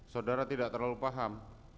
saudara tidak terlalu paham